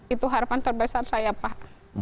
itu harapan terbesar saya pak